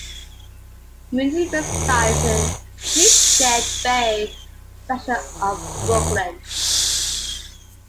Mooney resides in the Sheepshead Bay section of Brooklyn.